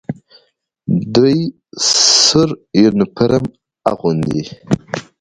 دوی سور یونیفورم اغوندي.